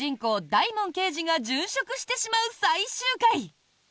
・大門刑事が殉職してしまう最終回。